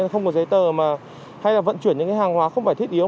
không có giấy tờ hay vận chuyển những hàng hóa không phải thiết yếu